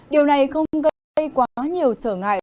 điều này không gây quá nhiều trở ngại